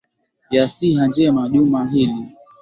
ya siha njema juma hili